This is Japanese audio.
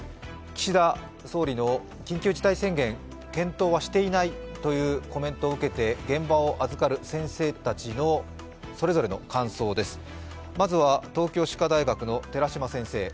岸田総理の緊急事態宣言検討はしていないというコメントを受けて現場を預かる先生たちのそれぞれの感想です。